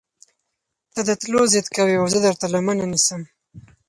تۀ د تلو ضد کوې اؤ زۀ درته لمنه نيسم